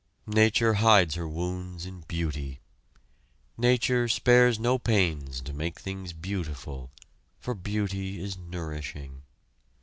Nature hides her wounds in beauty. Nature spares no pains to make things beautiful, for beauty is nourishing.